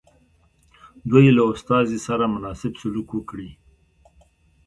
دوی له استازي سره مناسب سلوک وکړي.